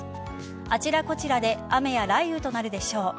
あちらこちらで雨や雷雨となるでしょう。